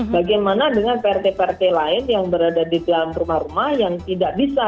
bagaimana dengan prt prt lain yang berada di dalam rumah rumah yang tidak bisa